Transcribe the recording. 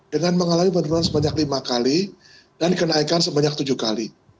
dengan mengalami penurunan sebanyak lima kali dan kenaikan sebanyak tujuh kali